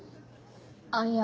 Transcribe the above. あっいや